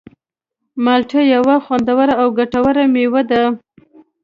مالټه یوه خوندوره او ګټوره مېوه ده.